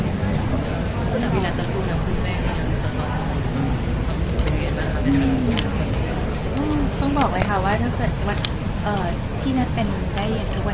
แต่พี่นัทจะสู้เหลือคุณแม่สำหรับความสุขในเรื่องนี้นะครับ